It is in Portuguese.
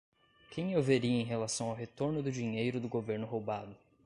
Quem eu veria em relação ao retorno do dinheiro do governo roubado?